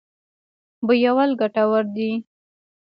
بویول ګټور دی.